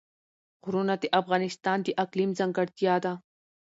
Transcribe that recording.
غرونه د افغانستان د اقلیم ځانګړتیا ده.